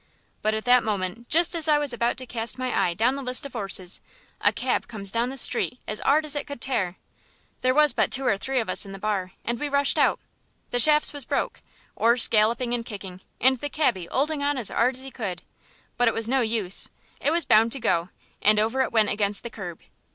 But at that moment, just as I was about to cast my eye down the list of 'orses, a cab comes down the street as 'ard as it could tear. There was but two or three of us in the bar, and we rushed out the shafts was broke, 'orse galloping and kicking, and the cabby 'olding on as 'ard as he could. But it was no good, it was bound to go, and over it went against the kerb.